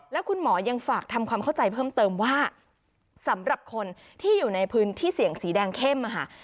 แล้วคุณหมอยังฝากทำความเข้าใจเพิ่มเติมว่าสำหรับคนที่อยู่ในพื้นที่เสี่ยงสีแดงเข้ม